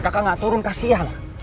kakak gak turun kasihan